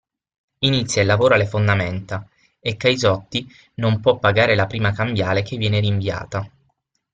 Inizia il lavoro alle fondamenta e Caisotti non può pagare la prima cambiale che viene rinviata.